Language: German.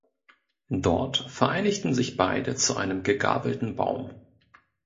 Dort vereinigten sich beide zu einem gegabelten Baum.